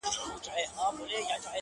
o اوبه خړوي، ماهيان پکښي نيسي !